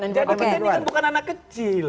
jadi kejadian ini bukan anak kecil